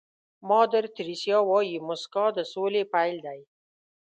مادر تیریسا وایي موسکا د سولې پيل دی.